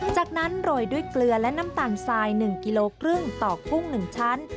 จากนั้นโรยด้วยเกลือและน้ำตาลทราย๑กิโลครึ่งต่อกุ้ง๑ชั้น